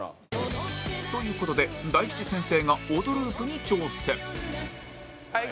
という事で大吉先生が『オドループ』に挑戦はいい